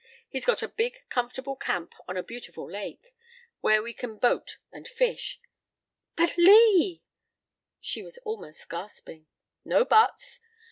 He's got a big comfortable camp on a beautiful lake, where we can boat and fish " "But Lee " She was almost gasping. "No buts.